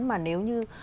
mà nếu như